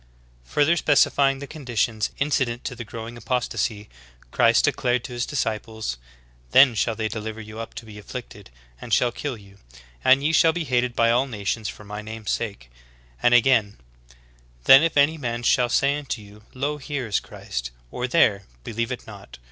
''^ 26. Further specifying the conditions incident to the growing apostasy, Christ declared to His disciples : "Then shall they deliver you up to be afflicted, and shall kill you ; and ye shall be hated by all nations for my name's sake."^ And again : "Then if any man shall say unto you, Lo here is Christ, or there, believe it not.